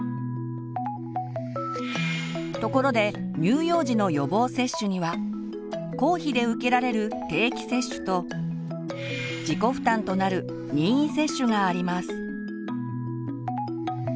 ところで乳幼児の予防接種には公費で受けられる「定期接種」と自己負担となる「任意接種」があります。